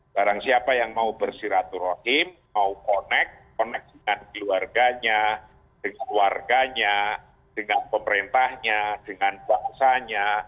barang siapa yang mau bersiraturohim mau connect connect dengan keluarganya dengan warganya dengan pemerintahnya dengan bahasanya